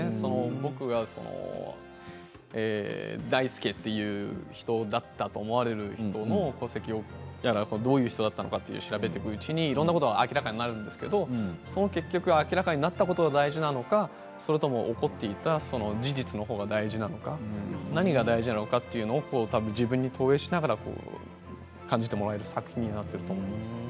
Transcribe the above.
僕が大祐だったと思われる人の戸籍やら、どういう人かを調べていくうちにいろいろなことが明らかになるんですけれどもその、結局明らかになったことが大事なのかそれとも起こっていた事実の方が大事なのか、何が大事なのかというのを自分に投影しながら、感じてもらえる作品になっていると思います。